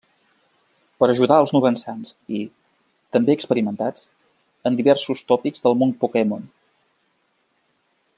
Per a ajudar als novençans i, també experimentats, en diversos tòpics del món pokémon.